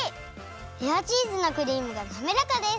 レアチーズのクリームがなめらかです！